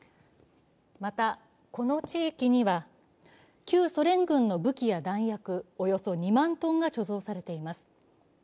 また、この地域には旧ソ連軍の武器や弾薬、およそ２万トンが貯蔵されています